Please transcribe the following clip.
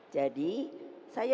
jadi saya sudah punya